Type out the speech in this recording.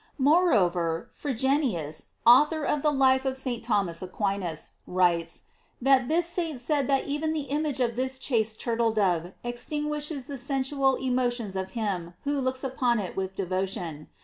Moreover, Frigeni us, author of the life of St. Thomas Aquinas, writes, that this saint said that even the image of this chaste tur tle dove extinguishes the sensual emotions of him who looks upon it with devotion.